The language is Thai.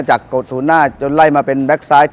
จากโกรธศูนย์หน้าจนไล่มาเป็นแบ็คซ้าย